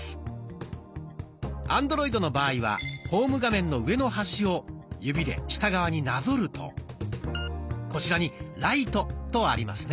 アンドロイドの場合はホーム画面の上の端を指で下側になぞるとこちらに「ライト」とありますね。